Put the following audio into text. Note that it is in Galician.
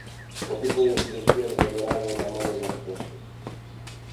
O tipo de cirurxía dependerá do tamaño do absceso.